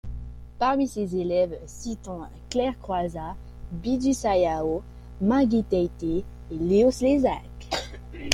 Parmi ses élèves, citons Claire Croiza, Bidu Sayão, Maggie Teyte et Leo Slezak.